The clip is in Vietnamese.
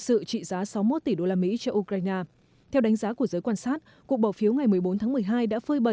để cung cấp năm mươi tỷ đô la mỹ an ninh mới cho ukraine